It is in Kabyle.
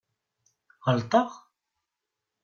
Ɣelṭeɣ?